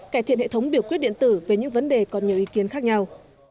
cải thiện hệ thống biểu quyết điện tử về những vấn đề còn nhiều ý kiến khác nhau